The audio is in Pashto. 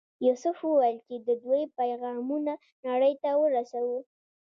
یوسف وویل چې د دوی پیغامونه نړۍ ته ورسوو.